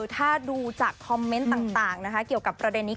ถ้าดูจากคอมเมนต์ต่างนะคะเกี่ยวกับประเด็นนี้